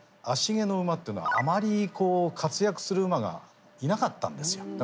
芦毛の馬っていうのはあまりこう活躍する馬がいなかったんですよ。